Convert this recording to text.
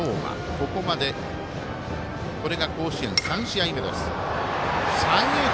ここまで、これが甲子園３試合目。